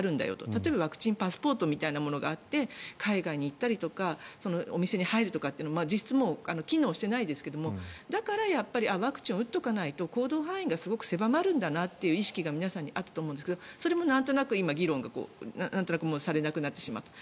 例えばワクチンパスポートみたいなものがあって海外に行ったりとかお店に入るとか実質もう機能していないですがだから、やっぱりワクチンを打っておかないとすごく狭まるんだなという意識が皆さんにあったと思うんですがそれも議論がなんとなくされなくなってしまった。